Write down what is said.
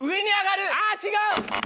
あぁ違う！